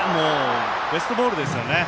ベストボールですよね。